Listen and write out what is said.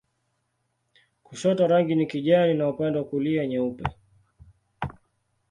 Kushoto rangi ni kijani na upande wa kulia nyeupe.